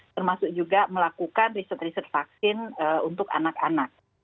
termasuk juga melakukan riset riset vaksin untuk anak anak